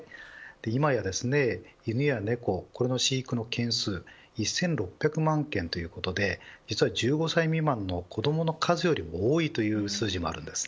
今や、犬や猫、飼育の件数は１６００万件ということで１５歳未満の子どもの数よりも多いという数字もあるんです。